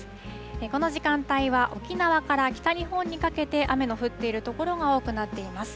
この時間帯は沖縄から北日本にかけて雨の降っている所が多くなっています。